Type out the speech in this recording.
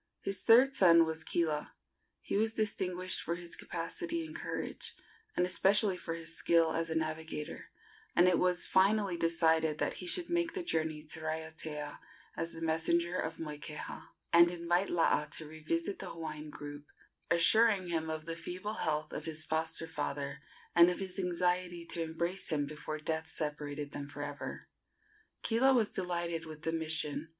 His third son was Kila. He was distinguished for his capacity and courage, and especially for his skill as a navigator, and it was finally decided that he should make the journey to Raiatea as the messenger of Moikeha, and invite Laa to revisit the Hawaiian group, assuring him of the feeble health of his foster father and of his anxiety to embrace him before death separated them for ever. Kila was delighted with the mission.